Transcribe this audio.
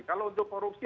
kalau untuk korupsi